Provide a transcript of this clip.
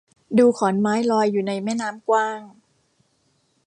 ดูขอนไม้ลอยอยู่ในแม่น้ำกว้าง